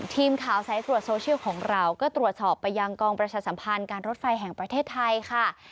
ทีมข่าวสายตรวจโซเชียลของเราก็ตรวจสอบไปยังกองประชาสัมพันธ์การรถไฟแห่งประเทศไทยค่ะ